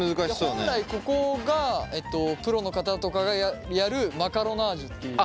本来ここがプロの方とかがやるマカロナージュっていう。